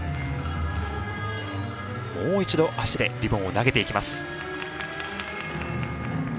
もう一度足でリボンを投げていきます。